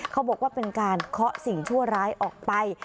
เขาบอกว่าเป็นการเคาะสิ่งชั่วร้ายออกไป